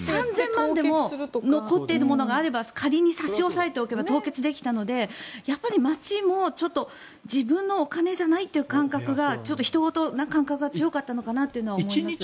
３０００万円でも残っているものがあれば仮に差し押さえておけば凍結できたので町もちょっと自分のお金じゃないという感覚がちょっと、ひと事な感覚が強かったのかなと思います。